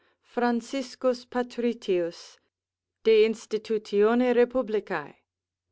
Franciscus Patritius de institut. Reipub. lib.